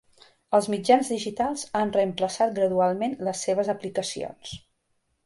Els mitjans digitals han reemplaçat gradualment les seves aplicacions.